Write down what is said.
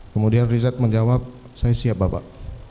kemudian richard menjawab saya siap bapak